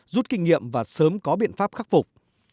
rút kinh nghiệm và sớm có biện pháp khắc phục